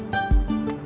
ya ya pak